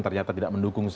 ternyata tidak mendukung